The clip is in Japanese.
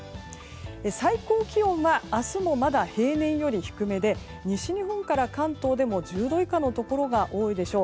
最高気温は、明日もまだ平年より低めで西日本から関東でも１０度以下のところが多いでしょう。